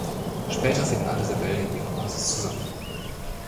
Später finden alle Rebellen in ihrer Basis zusammen.